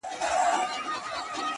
په زر چنده مرگ بهتره دی،